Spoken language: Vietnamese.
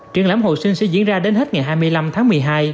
triển lãm hồi sinh sẽ diễn ra đến hết ngày hai mươi năm tháng một mươi hai